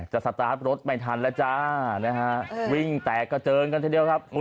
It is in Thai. แหมจะมัยทันแล้วจ้าวิ่งแตกกระเจิงกันทั้งเดียวครับ